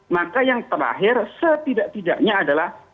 maka yang terakhir setidak tidaknya adalah